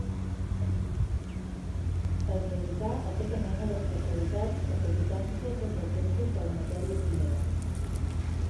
Es dedicà a tota mena d'especialitats aprofitant tots els recursos de la matèria primera.